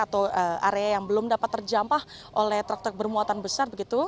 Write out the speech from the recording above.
atau area yang belum dapat terjampah oleh truk truk bermuatan besar begitu